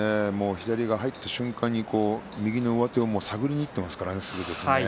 左が入った瞬間に右の上手を探りにいっていますからね。